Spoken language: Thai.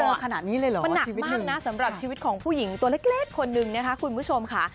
มันหนักมากนะสำหรับชีวิตของผู้หญิงตัวเล็กคนนึงคุณผู้ชมค่ะ